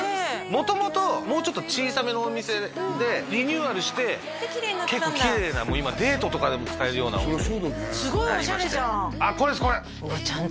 元々もうちょっと小さめのお店でリニューアルして結構きれいな今デートとかでも使えるようなお店すごいオシャレじゃん！